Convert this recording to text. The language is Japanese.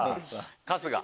春日。